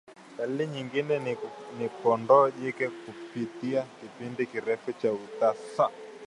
Dalili nyingine ni kondoo jike kupitia kipindi kirefu cha utasa